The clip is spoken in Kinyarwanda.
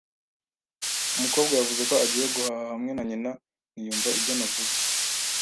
Umukobwa yavuze ko agiye guhaha hamwe na nyina, ntiyumva ibyo navuze.